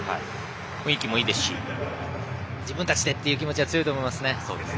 雰囲気もいいですし自分たちで！という気持ちが強いと思いますね。